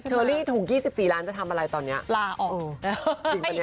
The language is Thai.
ลอตเตอรี่ถูก๒๔ล้านจะทำอะไรตอนนี้